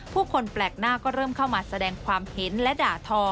คนแปลกหน้าก็เริ่มเข้ามาแสดงความเห็นและด่าทอ